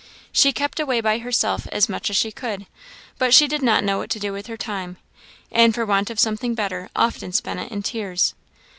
She kept away by herself as much as she could; but she did not know what to do with her time, and for want of something better often spent it in tears.